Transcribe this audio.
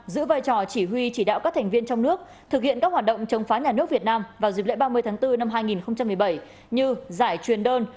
giữ vai trò chỉ huy chỉ đạo các thành viên trong nước thực hiện các hoạt động chống phá nhà nước việt nam vào dịp lễ ba mươi tháng bốn năm hai nghìn một mươi bảy như giải truyền đơn